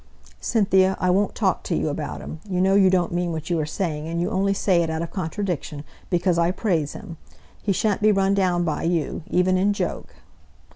"Cynthia, I won't talk to you about him. You know you don't mean what you are saying, and you only say it out of contradiction, because I praise him. He shan't be run down by you, even in joke."